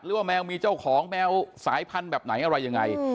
แมวมีเจ้าของแมวสายพันธุ์แบบไหนอะไรยังไง